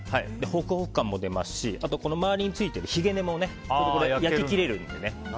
ホクホク感も出ますしあとは周りについてるひげ根も焼き切れるのでね。